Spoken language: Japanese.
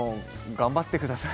頑張ってください。